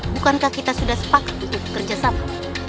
bukankah kita sudah sepakat untuk bekerja sama